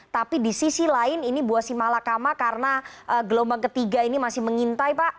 tapi di sisi lain ini buasi malakama karena gelombang ketiga ini masih mengintai pak